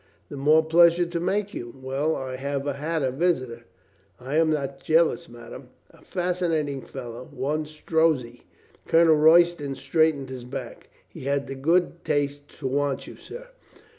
"The more pleasure to make you. Well, I have had a visitor." "I am not jealous, madame." "A fascinating fellow, one Strozzi." Colonel Royston straightened his back. "He has the good taste to want you, sir."